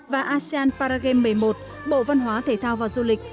và asean paragame một mươi một bộ văn hóa thể thao và du lịch